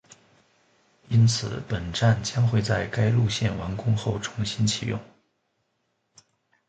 因此本站将会在该线路完工后重新启用